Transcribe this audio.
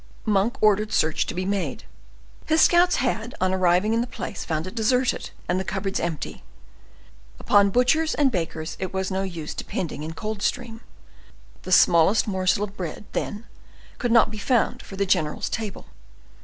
Monk ordered search to be made; his scouts had on arriving in the place found it deserted and the cupboards empty; upon butchers and bakers it was of no use depending in Coldstream. The smallest morsel of bread, then, could not be found for the general's table.